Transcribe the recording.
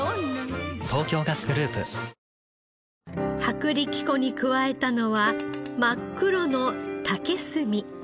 薄力粉に加えたのは真っ黒の竹炭。